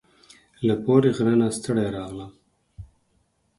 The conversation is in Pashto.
له پوري غره نه ستړي راغلم